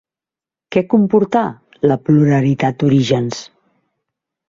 Què comportà la pluralitat d'orígens?